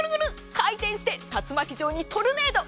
回転して竜巻状にトルネード